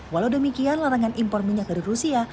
walau demikian larangan impor minyak dari rusia